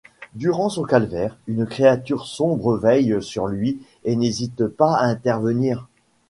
Durant son calvaire, une créature sombre veille sur lui et n’hésite pas à intervenir.